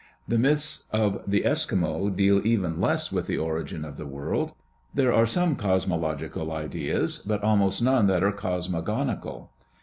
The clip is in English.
The myths of the Eskimo deal even less with the origin of the world. There are some cosmological ideas but almost none that are cosmogonical.